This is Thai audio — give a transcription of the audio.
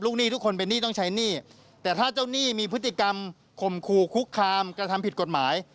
หนี้ทุกคนเป็นหนี้ต้องใช้หนี้แต่ถ้าเจ้าหนี้มีพฤติกรรมข่มขู่คุกคามกระทำผิดกฎหมาย